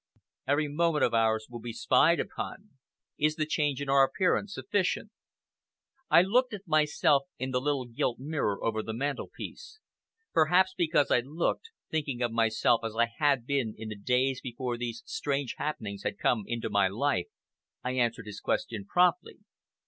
Every moment of ours will be spied upon. Is the change in our appearance sufficient?" I looked at myself in the little gilt mirror over the mantel piece. Perhaps because I looked, thinking of myself as I had been in the days before these strange happenings had come into my life, I answered his question promptly.